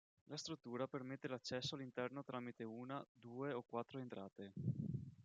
La struttura permette l'accesso all'interno tramite una, due o quattro entrate.